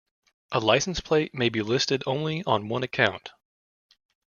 A license plate may be listed only on one account.